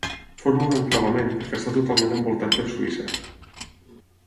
Forma un enclavament perquè està totalment envoltat per Suïssa.